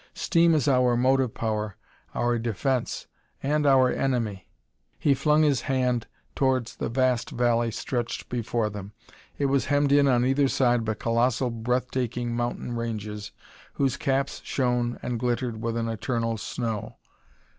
Steam is our motive power, our defence and our enemy!" He flung his hand towards the vast valley stretched before them. It was hemmed in on either side by colossal breath taking mountain ranges, whose caps shone and glittered with an eternal snow.